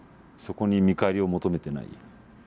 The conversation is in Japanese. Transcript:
そこに見返りを求めてない。